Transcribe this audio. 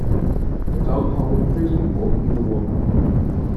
A dog holding a Frisbee walking in the water.